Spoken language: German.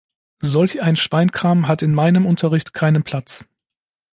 Solch ein Schweinkram hat in meinem Unterricht keinen Platz.